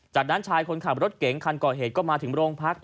จากนั้นชายคนขับรถเก๋งคันก่อเหตุก็มาถึงโรงพัก